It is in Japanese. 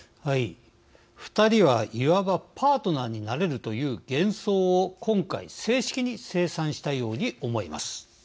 ２人はいわばパートナーになれるという幻想を今回、正式に清算したように思います。